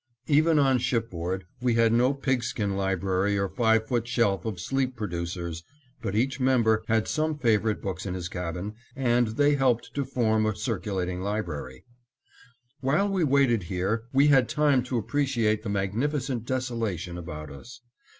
Even on shipboard, we had no pigskin library or five foot shelf of sleep producers, but each member had some favorite books in his cabin, and they helped to form a circulating library. While we waited here, we had time to appreciate the magnificent desolation about us.